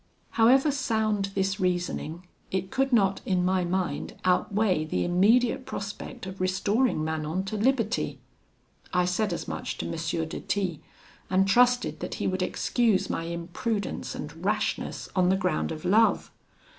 "However sound this reasoning, it could not, in my mind, outweigh the immediate prospect of restoring Manon to liberty. I said as much to M. de T , and trusted that he would excuse my imprudence and rashness, on the ground of love.